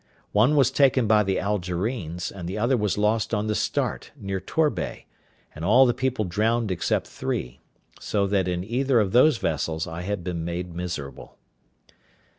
One was taken by the Algerines, and the other was lost on the Start, near Torbay, and all the people drowned except three; so that in either of those vessels I had been made miserable.